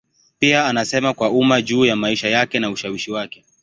Pia anasema kwa umma juu ya maisha yake na ushawishi wake.